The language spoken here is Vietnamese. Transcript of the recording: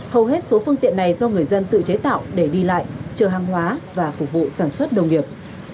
hầu hết số phương tiện này do người dân tự chế tạo để đi lại chờ hàng hóa và phục vụ sản xuất nông nghiệp